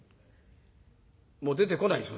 もう出てこないです